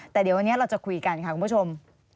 แต่เดี๋ยววันนี้เราจะคุยกันค่ะคุณผู้ชม